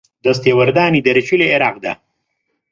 دەستێوەردانی دەرەکی لە عێراقدا